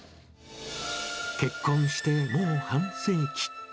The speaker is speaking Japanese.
結婚してもう半世紀。